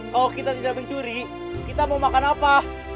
kalau kita tidak mencuri kita mau makan apa